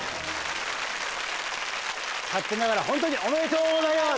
勝手ながらホントにおめでとうございます！